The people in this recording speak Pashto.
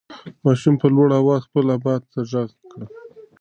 ماشوم په لوړ اواز خپل ابا ته غږ کړ.